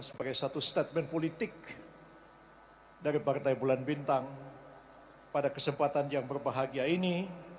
sebagai satu statement politik dari partai bulan bintang pada kesempatan yang berbahagia ini